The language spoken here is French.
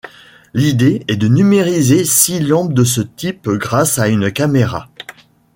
L'idée est de numériser six lampes de ce type grâce à une caméra.